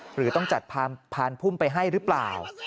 หรือต้องจัดพานพุ่มไปให้หรือเปล่า